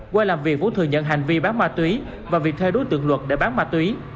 qua làm việc vũ thừa nhận hành vi bán ma túy và việc thuê đối tượng luật để bán ma túy